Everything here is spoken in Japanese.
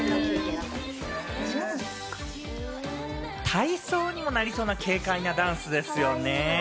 体操にもなりそうな、軽快なダンスですよね。